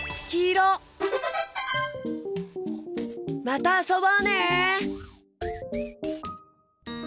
またあそぼうね！